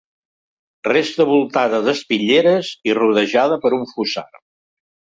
Resta voltada d'espitlleres i rodejada per un fossar.